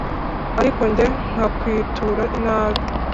ariko jye nkakwitura inabi.